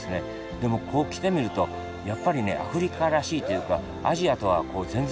でもここ来てみるとやっぱりねアフリカらしいというかアジアとは全然違ったね